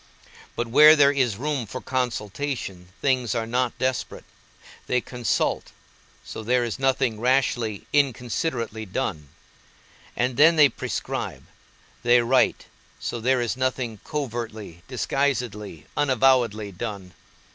But where there is room for consultation things are not desperate. They consult, so there is nothing rashly, inconsiderately done; and then they prescribe, they write, so there is nothing covertly, disguisedly, unavowedly done.